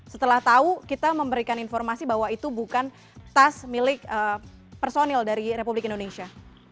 setelah tahu kita memberikan informasi bahwa itu bukan tas milik personil dari republik indonesia